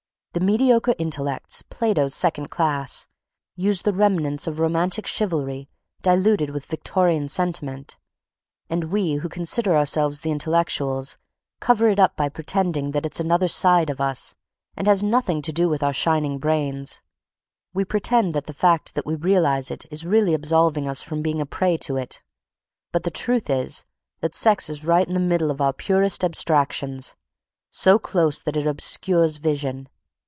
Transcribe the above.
The mediocre intellects, Plato's second class, use the remnants of romantic chivalry diluted with Victorian sentiment—and we who consider ourselves the intellectuals cover it up by pretending that it's another side of us, has nothing to do with our shining brains; we pretend that the fact that we realize it is really absolving us from being a prey to it. But the truth is that sex is right in the middle of our purest abstractions, so close that it obscures vision....